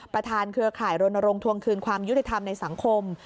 เครือข่ายรณรงค์ทวงคืนความยุติธรรมในสังคม